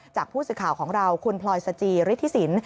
จากผู้สื่อข่าวของเราคุณพลอยซาจีริฐศินฎิวาคีย์